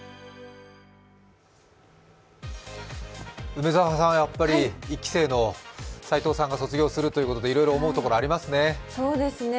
梅澤さん、やっぱり１期生の齋藤さんが卒業ということでいろいろ思うところありますね。